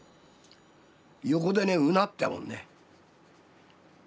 横でねうなってたもんね。